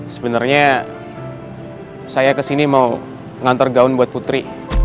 sebenarnya saya kesini mau ngantar gaun buat putri